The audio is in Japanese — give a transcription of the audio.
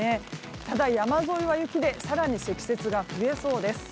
ただ山沿いは雪で更に積雪が増えそうです。